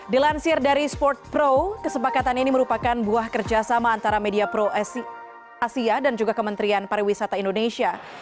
dilansir dari sport pro kesepakatan ini merupakan buah kerjasama antara media pro asia dan juga kementerian pariwisata indonesia